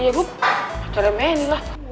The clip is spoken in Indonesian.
ya gue pacarnya meli lah